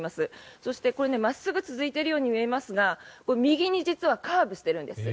そして、これ真っすぐ続いているように見えますが右に実はカーブしているんです。